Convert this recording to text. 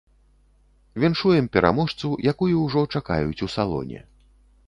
Віншуем пераможцу, якую ўжо чакаюць у салоне.